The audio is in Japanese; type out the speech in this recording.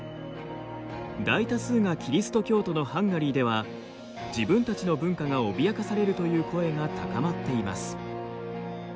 大多数がキリスト教徒のハンガリーでは自分たちの文化が脅かされるという声が高まっています。